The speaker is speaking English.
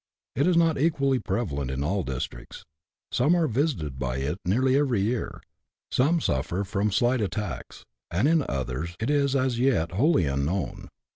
It is not equally prevalent in all districts ; some are visited by it nearly every year, some suffer from slight attacks, and in others it is as yet wholly unknown.